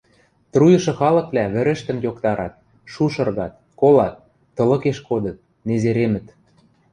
Труйышы халыквлӓ вӹрӹштӹм йоктарат, шушыргат, колат, тылыкеш кодыт, незеремӹт.